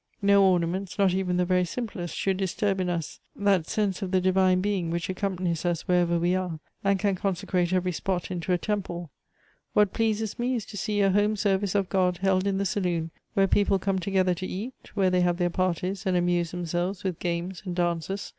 No ornaments, not even the very simplest, should disturb in us that sense Elective Affinities. 215 of the Divine Being which accompanies us wherever we are, and can consecrate every spot into a temple. What pleases me is to see a home service of God held in the saloon where people come together to eat, where they have their parties, and amuse themselves with games and dances.